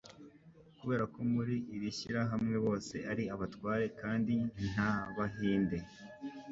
Kubera ko muri iri shyirahamwe bose ari abatware kandi nta bahinde